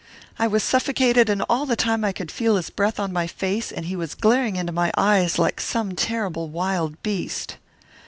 I was suffocated, and all the time I could feel his breath on my face, and he was glaring into my eyes like some terrible wild beast.